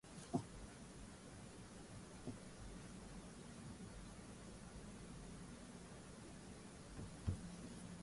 ni kenya mwaka wa elfu mbili na saba